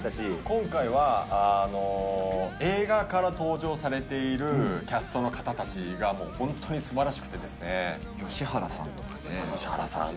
今回は映画から登場されているキャストの方たちがもう本当にすばらしくてですね、吉原さんとかね。